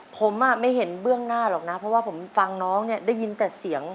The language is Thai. ผมไม่เห็นเบื้องหน้าหรอกนะเพราะว่าผมฟังน้องเนี่ยได้ยินแต่เสียง